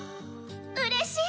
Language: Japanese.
「うれしい！」。